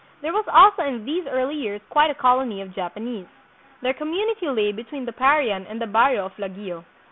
There was also hi these early years quite a colony of Japanese. Their community lay between the Parian and the barrio of Laguio.